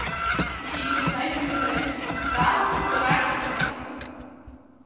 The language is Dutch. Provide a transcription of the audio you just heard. De ziekte blijf een bedreiging, daarom moeten we waakzaam blijven!